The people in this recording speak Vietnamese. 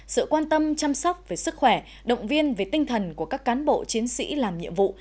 sự quan tâm chăm sóc về sức khỏe động viên về tinh thần của các cán bộ chiến sĩ làm nhiệm vụ